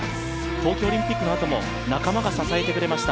東京オリンピックのあとも仲間が支えてくれました